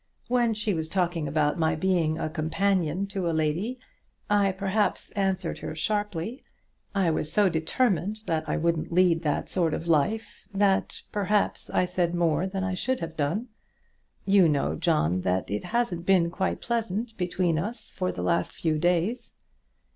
When she was talking about my being a companion to a lady, I perhaps answered her sharply. I was so determined that I wouldn't lead that sort of life, that, perhaps I said more than I should have done. You know, John, that it hasn't been quite pleasant between us for the last few days."